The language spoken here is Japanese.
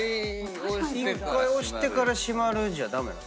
一回押してから閉まるじゃ駄目なの？